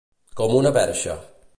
Com una perxa.